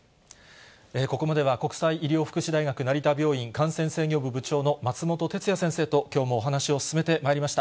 ここまでは、国際医療福祉大学成田病院感染制御部部長の松本哲哉先生と、きょうもお話を進めてまいりました。